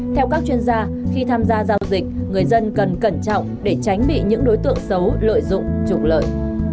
theo các chuyên gia khi tham gia giao dịch người dân cần cẩn trọng để tránh bị những đối tượng xấu lợi dụng trục lợi